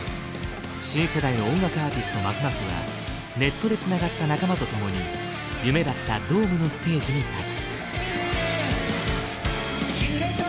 新世代の音楽アーティストまふまふはネットでつながった仲間と共に夢だったドームのステージに立つ。